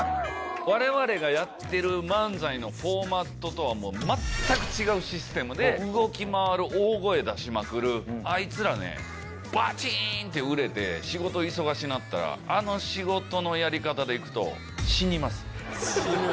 われわれがやってる漫才のフォーマットとは、もう全く違うシステムで、動き回る、大声出しまくる、あいつらね、ばちんって売れて、仕事忙しなったら、あの仕事のやり方でいくと、死にます。